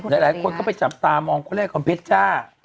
หลายคนก็ไปจับตามองคนแรกของเพชรจ้า